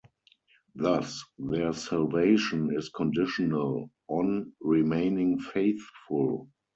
Thus, their salvation is conditional on remaining faithful.